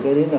phải đi qua